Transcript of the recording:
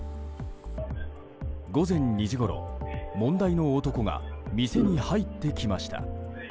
午前２時ごろ、問題の男が店に入ってきました。